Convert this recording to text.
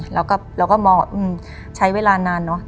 เราก็มองว่าใช้เวลานานเนอะ